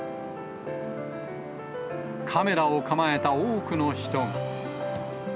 カメラを構えた多くの人が。